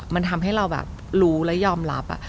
มันทำให้เราแบบรู้และยอมรับ